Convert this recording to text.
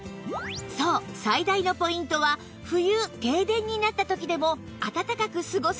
そう最大のポイントは冬停電になった時でも暖かく過ごせる事